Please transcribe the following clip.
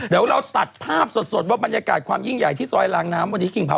เดี๋ยวเราตัดภาพสดว่าบรรยากาศความยิ่งใหญ่ที่ซอยลางน้ำวันนี้กิ่งเผา